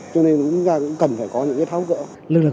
cho nên chúng ta cũng cần phải có những cái tháo gỡ